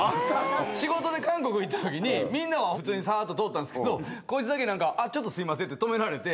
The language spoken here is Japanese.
仕事で韓国行ったときに、みんなは普通にさーっと通ったんですけど、こいつだけなんか、あっ、ちょっとすみませんって止められて。